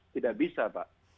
tidak bisa pak